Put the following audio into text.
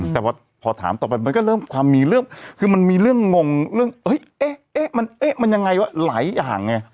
แต่พอถามต่อไปมันก็เริ่มความมีเรื่องคือมันมีเรื่องงงเรื่องเอ๊ะมันเอ๊ะมันยังไงว่าหลายอย่างไง